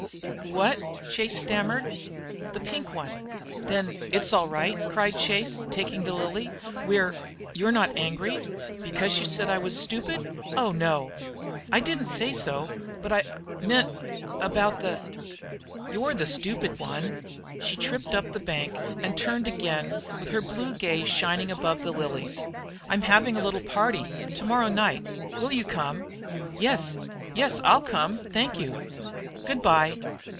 "W h what?" stammered Chase. "The pink one." "Then it's all right" cried Chase, taking the lily. "We 're you're not angry?" "Because you said I was stupid? Oh, no." "I didn't say so. But I meant about the " "You're the stupid one." She tripped up the bank and turned again with her blue gaze shining above the lilies. "I'm having a little party to morrow night. Will you come?" "Yes, yes, I'll come thank you." "Good bye."